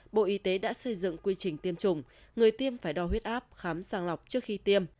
bộ y tế đã xây dựng quy trình tiêm chủng người tiêm phải đo huyết áp khám sàng lọc trước khi tiêm